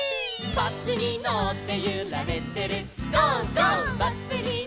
「バスにのってゆられてるゴー！